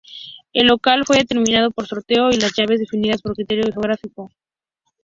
El local fue determinado por sorteo y las llaves definidas por criterio geográfico.